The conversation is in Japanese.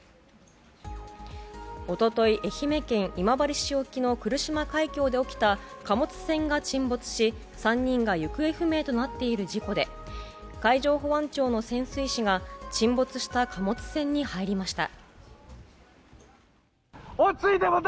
一昨日、愛媛県今治市沖の来島海峡で起きた貨物船が沈没し、３人が行方不明となっている事故で海上保安庁の潜水士が沈没した貨物船に入りました。